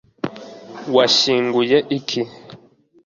washyinguye iki